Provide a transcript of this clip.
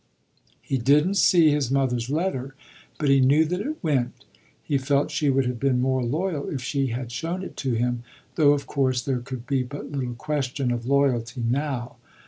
He didn't sec his mother's letter, but he knew that it went. He felt she would have been more loyal if she had shown it to him, though of course there could be but little question of loyalty now.